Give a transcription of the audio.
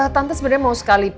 tante sebenarnya mau sekali